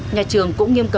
nhà trường cũng nghiêm cố